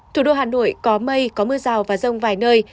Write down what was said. thủ đô hà nội có mây có mưa rào và rông vài nơi